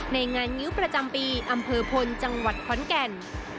ในงานงิ้วประจำปีอำเภอพลจังหวัดขอนแก่น